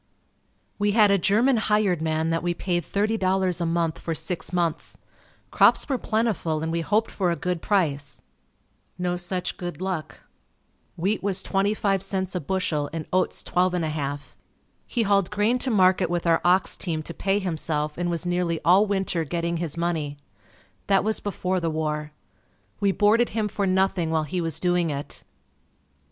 We had a German hired man that we paid $30 a month for six months. Crops were plentiful and we hoped for a good price. No such good luck. Wheat was 25c a bushel and oats 12 1/2. He hauled grain to market with our ox team to pay himself and was nearly all winter getting his money. That was before the war. We boarded him for nothing while he was doing it.